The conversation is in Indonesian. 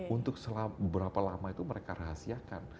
untuk selama berapa lama itu mereka rahasiakan